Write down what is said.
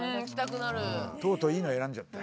とうとういいの選んじゃった。